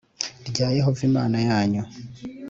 Rya yehova imana yanyu